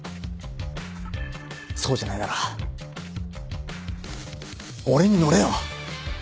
そうじゃないなら俺に乗れよ。